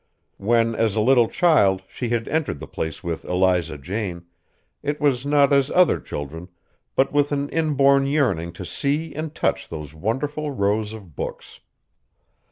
When, as a little child, she had entered the place with Eliza Jane, it was not as other children, but with an inborn yearning to see and touch those wonderful rows of books.